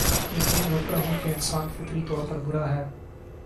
یقین رکھتا ہوں کے انسان فطری طور پر برا ہے